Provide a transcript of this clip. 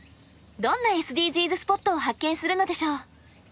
どんなＳＤＧｓスポットを発見するのでしょう。